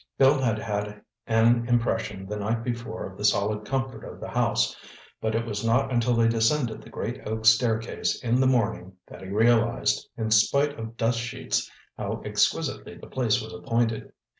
Bill had had an impression the night before of the solid comfort of the house. But it was not until they descended the great oak staircase in the morning that he realized, in spite of dust sheets, how exquisitely the place was appointed.